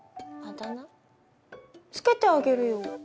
付けてあげるよ。